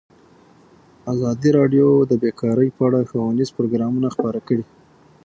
ازادي راډیو د بیکاري په اړه ښوونیز پروګرامونه خپاره کړي.